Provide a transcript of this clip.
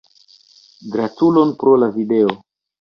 Gratulon pro la video.